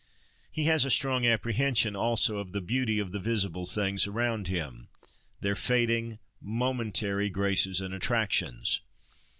He has a strong apprehension, also, of the beauty of the visible things around him; their fading, momentary, graces and attractions.